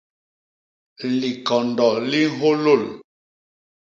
Likondo li nhôlôl.